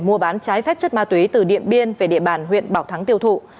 mua bán trái phép chất ma túy từ điện biên về địa bàn huyện bảo thắng tiêu thụ